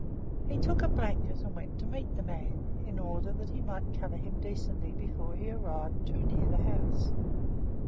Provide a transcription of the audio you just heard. He took a blanket and went to meet the man, in order that he might cover him decently before he arrived too near the house.